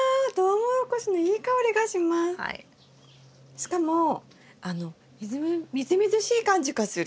しかもあのみずみずしい感じがする。